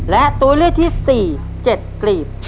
และตัวเลือกที่๔๗กลีบ